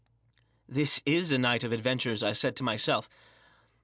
" This is a night of adventures," I said to myself.